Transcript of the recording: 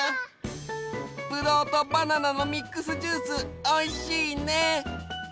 ぶどうとバナナのミックスジュースおいしいね。